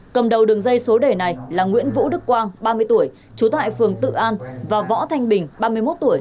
cầm đầu đường dây số đề này là nguyễn vũ đức quang ba mươi tuổi trú tại phường tự an và võ thanh bình ba mươi một tuổi